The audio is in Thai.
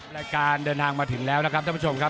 รายการเดินทางมาถึงแล้วนะครับท่านผู้ชมครับ